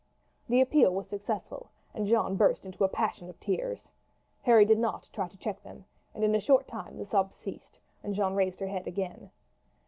The appeal was successful, and Jeanne burst into a passion of tears. Harry did not try to check them, and in a short time the sobs ceased and Jeanne raised her head again.